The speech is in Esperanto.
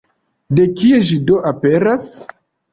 De kie ĝi do aperas?